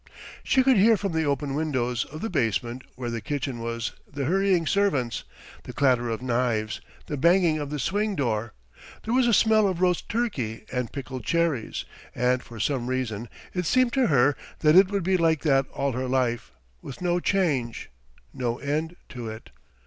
... She could hear from the open windows of the basement where the kitchen was the hurrying servants, the clatter of knives, the banging of the swing door; there was a smell of roast turkey and pickled cherries, and for some reason it seemed to her that it would be like that all her life, with no change, no end to it.